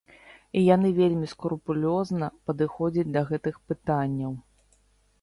І яны вельмі скрупулёзна падыходзяць да гэтых пытанняў.